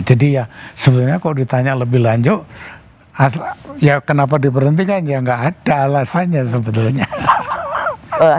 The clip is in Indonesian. jadi ya sebenarnya kalau ditanya lebih lanjut ya kenapa diberhentikan ya gak ada alasannya sebetulnya